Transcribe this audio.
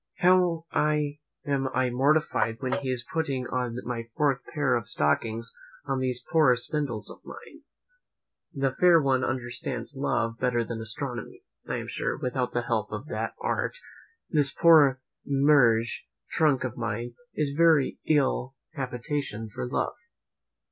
how am I mortified when he is putting on my fourth pair of stockings on these poor spindles of mine! "The fair one understands love better than I astronomy!" I am sure, without the help of that art, this poor meagre trunk of mine is a very ill habitation for love.